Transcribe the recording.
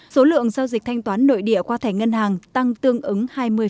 số lượng giao dịch thanh toán nội địa qua thẻ ngân hàng tăng tương ứng hai mươi